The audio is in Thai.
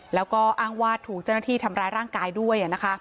แล้วก็อ้างว่าถูกเจ้าหน้าที่ทำร้ายร่างกายด้วย